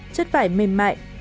chất vải mềm mại